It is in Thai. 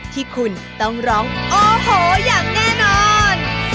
ที่คุณต้องร้องโอ้โหอย่างแน่นอน